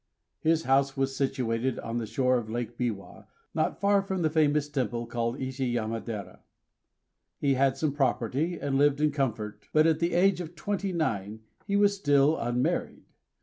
His house was situated on the shore of Lake Biwa, not far from the famous temple called Ishiyamadera. He had some property, and lived in comfort; but at the age of twenty nine he was still unmarried.